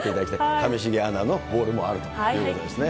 上重アナのボールもあるということですね。